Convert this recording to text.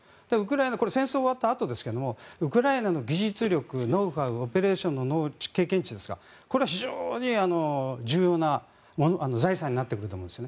これは戦争が終わったあとですがウクライナの技術力、ノウハウオペレーションの経験値ですかこれは非常に重要な財産になってくると思います。